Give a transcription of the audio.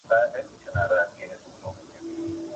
چي له پرهار څخه مي ستړی مسیحا ووینم ,